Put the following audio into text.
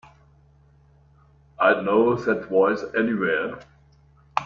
I'd know that voice anywhere.